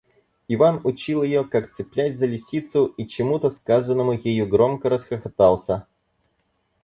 Иван учил ее, как цеплять за лисицу, и чему-то сказанному ею громко расхохотался.